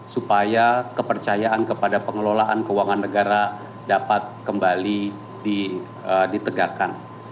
supaya kepercayaan kepada pengelolaan keuangan negara dapat kembali ditegakkan